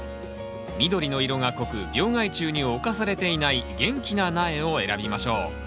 緑の色が濃く病害虫に侵されていない元気な苗を選びましょう。